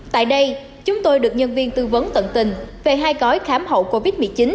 tại đây chúng tôi được nhân viên tư vấn tận tình về hai gói khám hậu covid một mươi chín là cơ bản và chuyên sâu